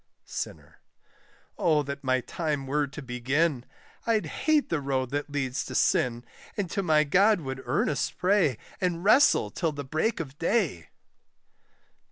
SINNER. Oh that my time were to begin! I'd hate the road that leads to sin, And to my God would earnest pray, And wrestle till the break of day.